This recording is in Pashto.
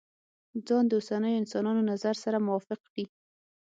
ځان د اوسنيو انسانانو نظر سره موافق کړي.